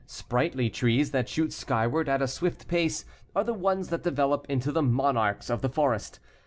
Sprightly trees that shoot skyward at a swift pace are the ones that develop into the monarchs of the forest.